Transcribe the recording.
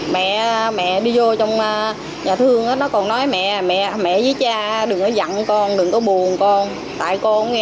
mẹ đi vô trong nhà thương nó còn nói mẹ với cha đừng có giận con đừng có buồn con tại con nghe lời cha với mẹ